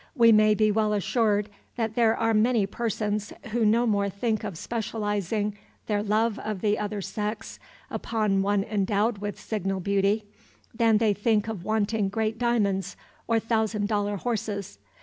We may be well assured that there are many persons who no more think of specializing their love of the other sex upon one endowed with signal beauty, than they think of wanting great diamonds or thousand dollar horses.